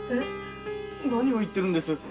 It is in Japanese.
何を言ってるんです？